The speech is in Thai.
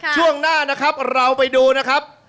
ช่วงหน้านะครับเราไปดูนะครับ